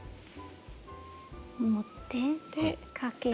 持ってかけ目。